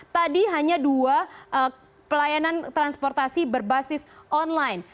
tadi hanya dua pelayanan transportasi berbasis online